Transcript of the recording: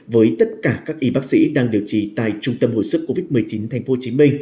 với tất cả các y bác sĩ đang điều trị tại trung tâm hồi sức covid một mươi chín tp hcm